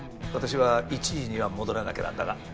私は１時には戻らなきゃなんだが。